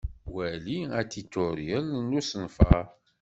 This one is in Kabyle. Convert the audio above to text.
Wali atiṭuryel n usenfaṛ.